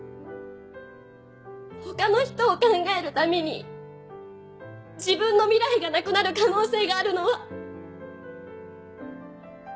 他の人を考えるために自分の未来がなくなる可能性があるのは。